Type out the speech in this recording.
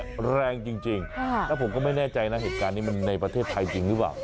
ฮึมึงลมเนี้ยแรงจริงและผมก็ไม่แน่ใจนะเหตุการณ์นี่มันในประเทศภาจริงหรือเปล่า